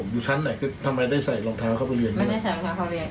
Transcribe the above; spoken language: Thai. อยู่ชั้นไหนคือทำไมได้ใส่รองเท้าเข้าไปเรียนไม่ได้ใส่รองเท้าเข้าเรียน